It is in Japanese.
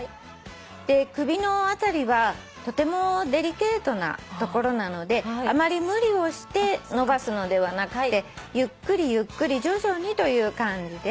で首の辺りはとてもデリケートな所なのであまり無理をして伸ばすのではなくてゆっくりゆっくり徐々にという感じで。